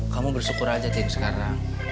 kamu bersyukur aja tim sekarang